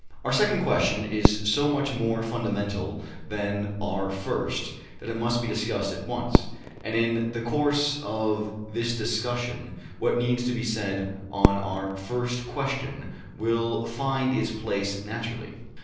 Our second question is so much more fundamental than our first that it must be discussed at once, and in the course of this discussion what needs to be said on our first question will find its place naturally.